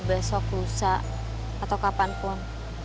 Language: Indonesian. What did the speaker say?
kalau besok rusak atau kapanpun